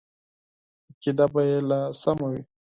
عقیده به یې لا سمه وي.